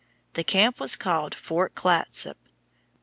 The camp was called Fort Clatsop.